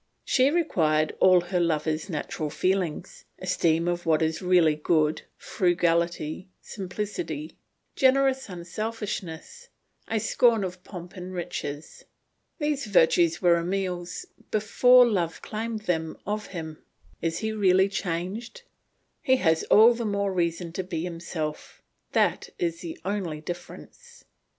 She required all her lover's natural feelings esteem of what is really good, frugality, simplicity, generous unselfishness, a scorn of pomp and riches. These virtues were Emile's before love claimed them of him. Is he really changed? He has all the more reason to be himself; that is the only difference.